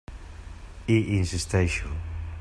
Hi insisteixo.